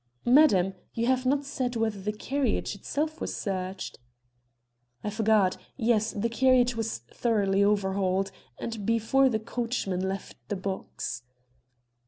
"Madam, you have not said whether the carriage itself was searched." "I forgot. Yes, the carriage was thoroughly overhauled, and before the coachman left the box."